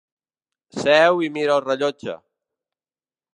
Seu i mira el rellotge.